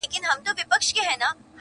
زما یې له محفل سره یوه شپه را لیکلې ده -